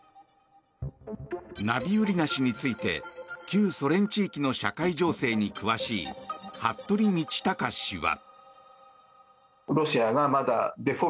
ナビウリナ氏について旧ソ連地域の社会情勢に詳しい服部倫卓氏は。